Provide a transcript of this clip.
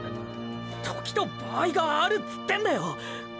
時と場合があるつってんだよ！！